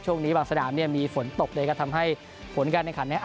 ช่วงนี้บางสนามเนี่ยมีฝนตกเลยครับทำให้ผลกันนะครับ